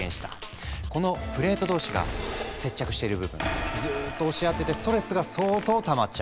このプレート同士が接着している部分ずっと押し合っててストレスが相当たまっちゃう。